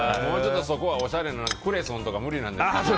そこはおしゃれなクレソンとか無理なん？